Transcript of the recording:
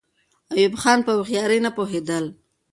ایوب خان په هوښیارۍ نه پوهېدل.